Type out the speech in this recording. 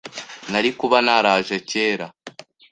nari kuba naraje kera.”